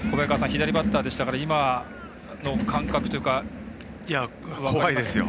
左バッターでしたから今の感覚というか分かりますか。